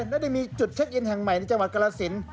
และได้มีจุดเช็คอินแห่งใหม่ในจังหวัดกรสิน